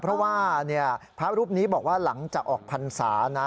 เพราะว่าพระรูปนี้บอกว่าหลังจากออกพรรษานะ